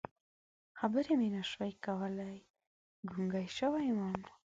خبرې مې نه شوې کولی، ګونګی شوی وم.